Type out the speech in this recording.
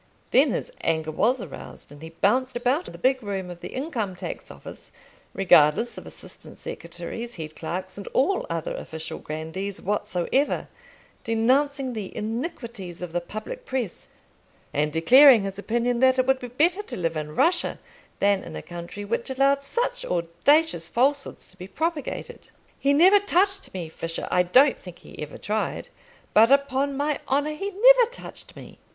Then his anger was aroused, and he bounced about the big room of the Income tax Office, regardless of assistant secretaries, head clerks, and all other official grandees whatsoever, denouncing the iniquities of the public press, and declaring his opinion that it would be better to live in Russia than in a country which allowed such audacious falsehoods to be propagated. "He never touched me, Fisher; I don't think he ever tried; but, upon my honour, he never touched me."